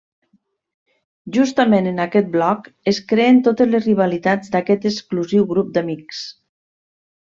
Justament en aquest blog es creen totes les rivalitats d'aquest exclusiu grup d'amics.